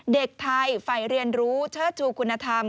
เด็กไทยฝ่ายเรียนรู้เชิดชูคุณธรรม